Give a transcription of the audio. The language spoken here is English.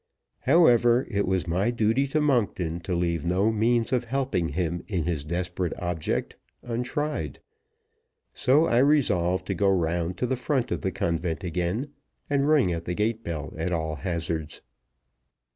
However, it was my duty to Monkton to leave no means of helping him in his desperate object untried; so I resolved to go round to the front of the convent again, and ring at the gate bell at all hazards.